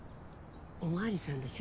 お巡りさんでしょ。